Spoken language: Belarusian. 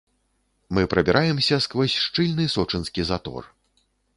Мы прабіраемся скрозь шчыльны сочынскі затор.